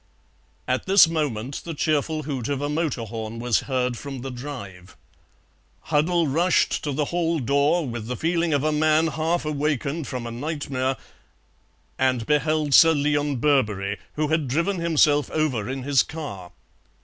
At this moment the cheerful hoot of a motor horn was heard from the drive. Huddle rushed to the hall door with the feeling of a man half awakened from a nightmare, and beheld Sir Leon Birberry, who had driven himself over in his car.